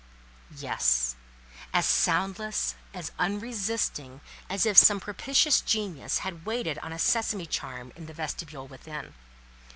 Yes. As soundless, as unresisting, as if some propitious genius had waited on a sesame charm, in the vestibule within.